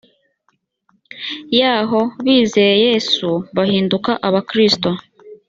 yaho bizeye yesu bahinduka abakristo